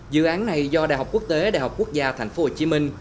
dự án này do đại học quốc tế đại học quốc gia thành phố hồ chí minh